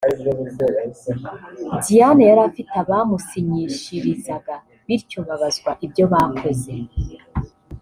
Diane yari afite abamusinyishirizaga bityo babazwa ibyo bakoze